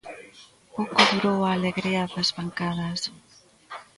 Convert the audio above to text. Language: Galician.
Pouco durou a alegría nas bancadas.